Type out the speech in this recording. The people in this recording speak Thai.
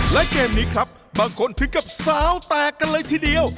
และเกมนี้ครับบางคนถึงกับสาวแตกกันเลยทีเดียว